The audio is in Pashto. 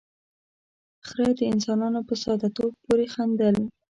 ، خره د انسانانو په ساده توب پورې خندل.